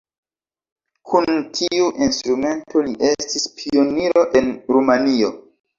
Kun tiu instrumento li estis pioniro en Rumanujo.